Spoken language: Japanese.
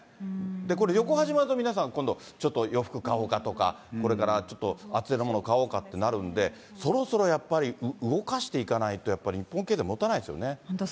これ、旅行始まると皆さん、今度ちょっと、洋服買おうかとか、これからちょっと厚手のもの買おうかってなるんで、そろそろやっぱり、動かしていかないと、やっぱり日本経済もたないですよね。